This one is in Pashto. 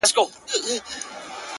• او نسلونه يې يادوي تل تل..